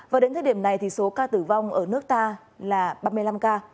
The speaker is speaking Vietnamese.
và đến thời điểm này thì số ca tử vong ở nước ta là ba mươi năm ca